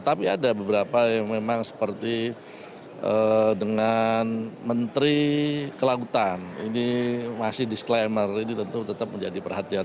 tapi ada beberapa yang memang seperti dengan menteri kelautan ini masih disclaimer ini tentu tetap menjadi perhatian